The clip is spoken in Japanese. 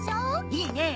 いいねえ！